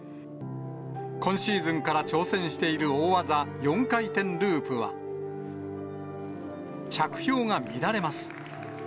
今シーズンから挑戦している大技、４回転ループは、着氷が乱れます。